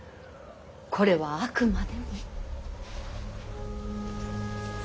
これはあくまでも。